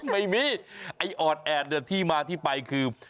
ไม่มีออดแอดที่มาที่ไปคือ